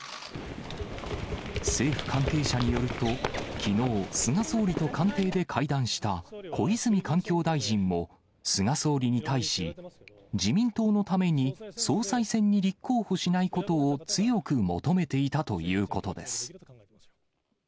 政府関係者によると、きのう、菅総理と官邸で会談した小泉環境大臣も、菅総理に対し、自民党のために総裁選に立候補しないことを強く求めていたということです。